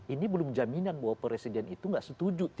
ini belum jaminan bahwa presiden itu nggak setuju